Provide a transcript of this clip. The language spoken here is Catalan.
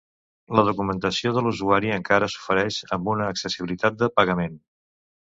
La documentació de l'usuari encara s'ofereix amb una accessibilitat de pagament.